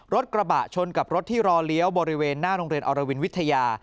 รถกระบะชนกับรถที่รอเลี้ยวบริเวณหน้าโรงเรียนอรวินวิทยา